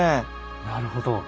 なるほど。